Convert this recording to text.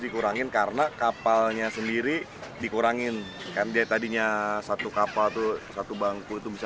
dikurangin karena kapalnya sendiri dikurangin kan dia tadinya satu kapal tuh satu bangku itu bisa